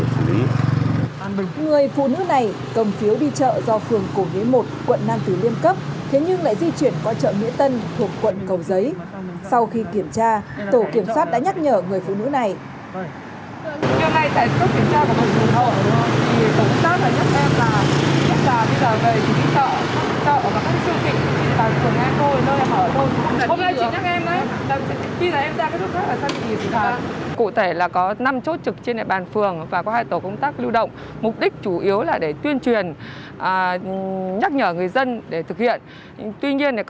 sau khi kiểm tra tổ kiểm soát đã nhắc nhở người phụ nữ này